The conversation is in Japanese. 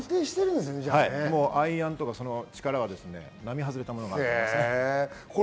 アイアンとかその力は並外れたものがあります。